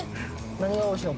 何がおいしいの？